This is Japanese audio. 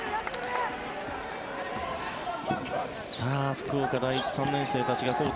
福岡第一３年生たちですか。